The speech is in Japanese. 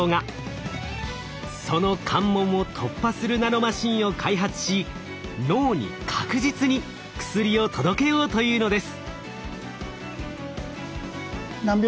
その関門を突破するナノマシンを開発し脳に確実に薬を届けようというのです。